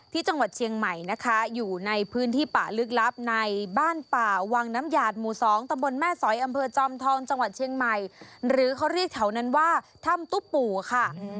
ที่จังหวัดเชียงใหม่นะคะอยู่ในพื้นที่ป่าลึกลับในบ้านป่าวังน้ำหยาดหมู่๒ตำบลแม่สอยอำเภอจอมทองจังหวัดเชียงใหม่หรือเขาเรียกแถวนั้นว่าถ้ำตุ๊ปู่ค่ะ